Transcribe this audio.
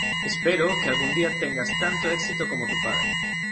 Espero que algún día tengas tanto éxito como tu padre.